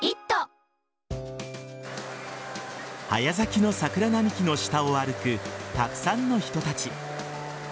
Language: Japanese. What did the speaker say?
早咲きの桜並木の下を歩くたくさんの人たち。